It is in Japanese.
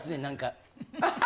何か。